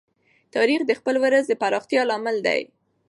تاریخ د خپل ولس د پراختیا لامل دی.